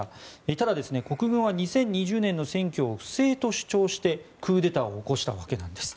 ただ、国軍は２０２０年の選挙を不正と主張してクーデターを起こしたわけなんです。